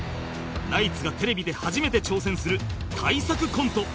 ナイツがテレビで初めて挑戦する大作コント